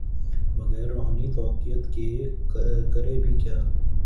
بغیر روحانی تقویت کے، کرے بھی کیا۔